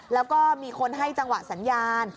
แล้วก็มีคนให้จังหวะสัญญาณ